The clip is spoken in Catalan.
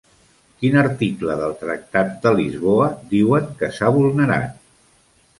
Quin article del tractat de Lisboa diuen que s'ha vulnerat?